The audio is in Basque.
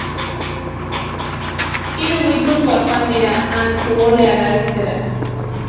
Hiru gipuzkoar joan dira han futbolean aritzera.